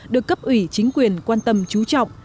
được cấp ủy chính quyền quan tâm trú trọng